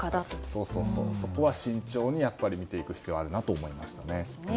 そこは慎重に見ていく必要があるなと思いましたね。